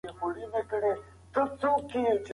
د طبیعي علومو پلټنه ځانګړې علمي څانګه ده.